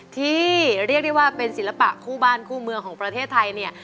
ที่เรียกได้ว่าเป็นศิลปะคู่บ้านคู่เมืองของประเทศไทยเนี่ย